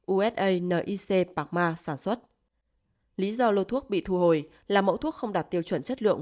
usa nic pacma sản xuất lý do lô thuốc bị thu hồi là mẫu thuốc không đạt tiêu chuẩn chất lượng